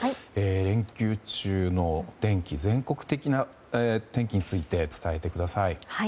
連休中の全国的な天気について伝えてください。